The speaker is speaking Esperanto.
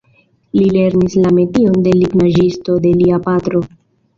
Li lernis la metion de lignaĵisto de lia patro.